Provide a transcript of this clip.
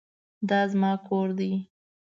دا زما کور دی